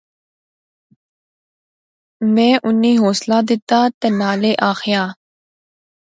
میں انیں حوصلہ دتا تہ نالے آخیا